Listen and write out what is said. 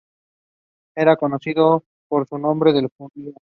Era conocido por su sobrenombre de "Juancito".